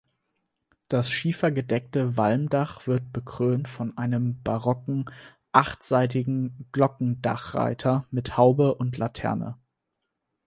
Das schiefergedeckte Walmdach wird bekrönt von einem barocken achtseitigen Glockendachreiter mit Haube und Laterne.